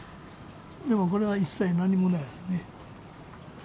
でもこれは一切何もないですね。